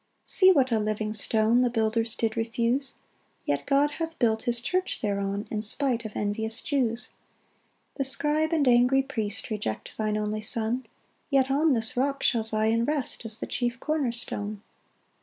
1 See what a living stone The builders did refuse; Yet God hath built his church thereon In spite of envious Jews. 2 The scribe and angry priest Reject thine only Son; Yet on this rock shall Zion rest, As the chief corner stone.